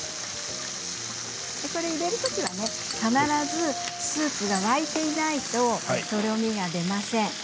これ入れる時は必ずスープが沸いていないととろみが出ません。